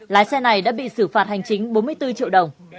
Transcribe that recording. lái xe này đã bị xử phạt hành chính bốn mươi bốn triệu đồng